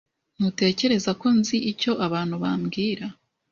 Ntutekereza ko nzi icyo abantu bambwira?